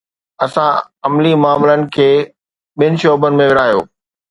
اسان عملي معاملن کي ٻن شعبن ۾ ورهايو.